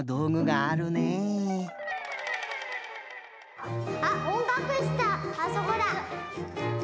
あそこだ。